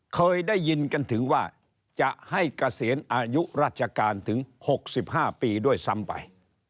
เคยได้ยินกันถึงว่าจะให้เกษียณอายุราชการถึง๖๕ปีด้วยซ้ำไป